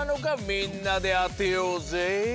みんなであてようぜ。